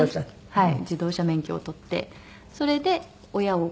はい。